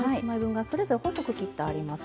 それぞれ細く切ってあります。